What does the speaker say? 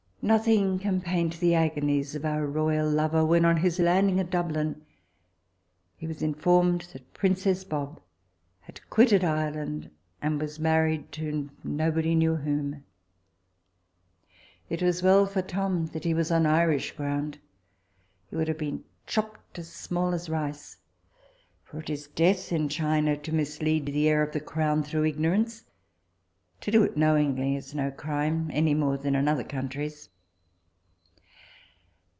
Nothing can paint the agonies of our royal lover, when on his landing at Dublin he was informed that princess Bob had quitted Ireland, and was married to nobody knew whom. It was well for Tom that he was on Irish ground. He would have been chopped as small as rice, for it is death in China to mislead the heir of the crown through ignorance. To do it knowingly is no crime, any more than in other countries.